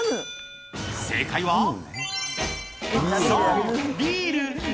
正解は、そう、ビール。